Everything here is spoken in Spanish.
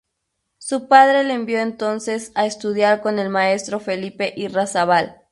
Su padre le envió entonces a estudiar con el maestro Felipe Irrazábal.